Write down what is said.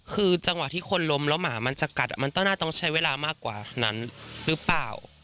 คือจังหวะที่คนล้มแล้วหมามันจะกัดมันต้องน่าต้องใช้เวลามากกว่านั้นหรือเปล่า